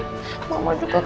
mama juga panggung banget